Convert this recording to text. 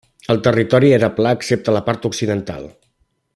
El territori era pla excepte la part occidental.